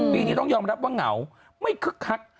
ปีนี้ต้องยอมรับว่าเหงาไม่คึกคัก